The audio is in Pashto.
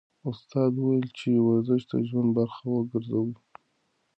استاد وویل چې ورزش د ژوند برخه وګرځوئ.